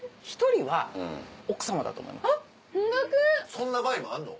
そんな場合もあんの？